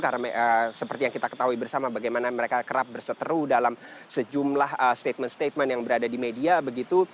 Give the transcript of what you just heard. karena seperti yang kita ketahui bersama bagaimana mereka kerap berseteru dalam sejumlah statement statement yang berada di media begitu